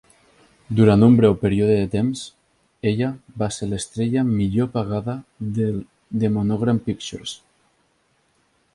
Durant un breu període de temps, ella va ser l"estrella millor pagada de Monogram Pictures.